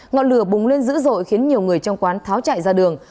ngọn lửa bùng lên dữ dội khiến nhiều người trong quán tháo chạy ra đường